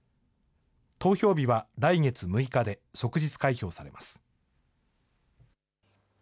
投票日は来月６日で、即日開票されます。